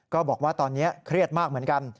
ก็บอกว่าตอนนี้เครียดมากเหมือนกัน